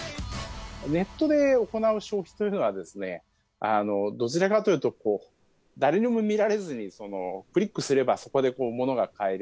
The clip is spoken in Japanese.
ネットで行う消費というのは、どちらかというと、誰にも見られずに、クリックすればそこで物が買える。